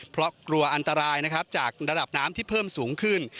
เพราะกลัวอันตรายนะครับจากระดับน้ำที่เพิ่มสูงขึ้น